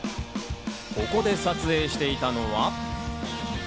ここで撮影していたのは。